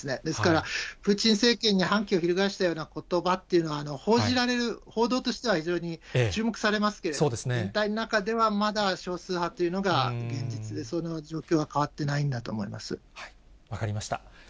ですから、プーチン政権に反旗を翻したようなことばっていうのは、報じられる、報道としては非常に注目されますけれども、全体の中ではまだ少数派というのが、現実で、その状況は変わって分かりました。